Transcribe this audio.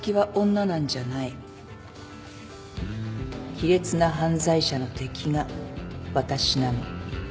卑劣な犯罪者の敵がわたしなの。